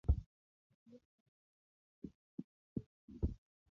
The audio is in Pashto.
له ډېرې خوښۍ څخه د هغه زړه پر ټوپو شو